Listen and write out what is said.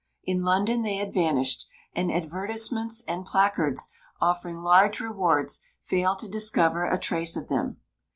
In London they had vanished; and advertisements and placards offering large rewards failed to discover a trace of them.